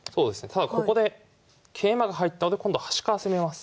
ただここで桂馬が入ったあと今度端から攻めます。